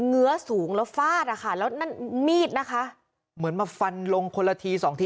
ื้อสูงแล้วฟาดอ่ะค่ะแล้วนั่นมีดนะคะเหมือนมาฟันลงคนละทีสองที